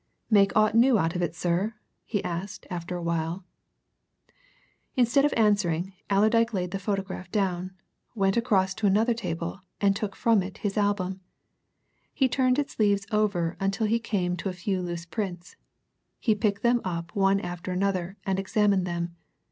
"Make aught new out of it, sir?" he asked after a while. Instead of answering, Allerdyke laid the photograph down, went across to another table, and took from it his album. He turned its leaves over until he came to a few loose prints. He picked them up one after another and examined them.